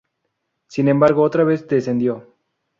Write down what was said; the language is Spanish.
Sin embargo otra vez descendió.